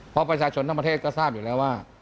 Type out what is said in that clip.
เพราะประชาชนทั้งประเทศก็ทราบอยู่แล้วว่า